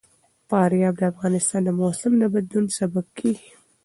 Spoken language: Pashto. فاریاب د افغانستان د موسم د بدلون سبب کېږي.